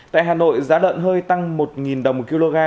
tại hà nội giá lợn hơi tăng một đồng một kg